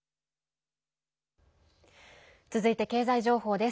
続いて、経済情報です。